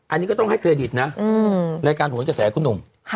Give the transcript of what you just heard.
อันนี้ก็ต้องให้เครดิตนะและการโหนดเจษฐกุ้นุ่ม